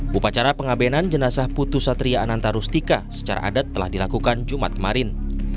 upacara pengabenan jenazah putu satria ananta rustika secara adat telah dilakukan jumat kemarin